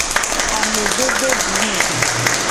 Amedododime.